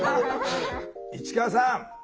市川さん